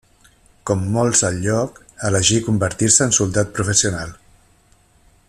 Com molts al lloc, elegí convertir-se en soldat professional.